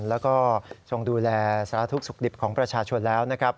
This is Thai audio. แล้วก็ทรงดูแลสร้าทุกข์สุขดิบของประชาชนแล้ว